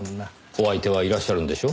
お相手はいらっしゃるんでしょ？